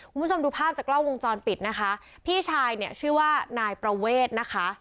คุณผู้ชมดูภาพจากกล้องวงจรปิดนะคะพี่ชายเนี่ยชื่อว่านายประเวทนะคะ